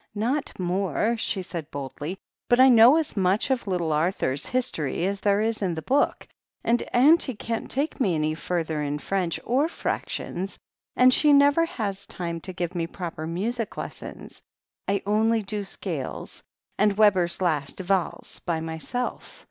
"Not more," she said boldly, "but I know as much of Little Arthur's History as there is in the book, and auntie can't take me any further in French or fractions, and she never has time to give me proper music les sons. I only do scales, and Weber's Last Valse, by myself.